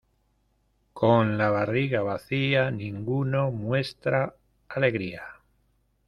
Con la barriga vacía, ninguno muestra alegría.